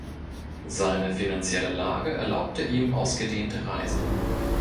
Seine finanzielle Lage erlaubte ihm ausgedehnte Reisen.